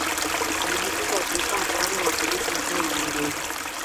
alijikuta akiishia mikononi mwa polisi nchini uingereza